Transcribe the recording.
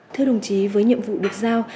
thưa đồng chí với nhiệm vụ được giao